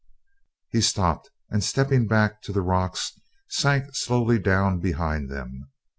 He stopped and, stepping back to the rocks, sank slowly down behind them.